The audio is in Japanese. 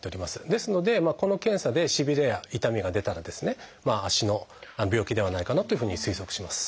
ですのでこの検査でしびれや痛みが出たら足の病気ではないかなというふうに推測します。